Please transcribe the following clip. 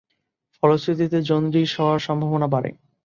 ফলশ্রুতিতে জন্ডিস হওয়ার সম্ভাবনা বাড়ে।